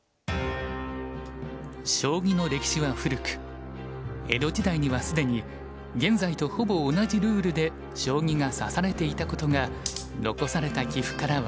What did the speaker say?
将棋の歴史は古く江戸時代には既に現在とほぼ同じルールで将棋が指されていたことが残された棋譜から分かります。